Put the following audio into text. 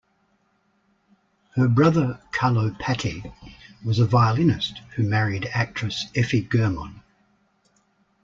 Her brother Carlo Patti was a violinist who married actress Effie Germon.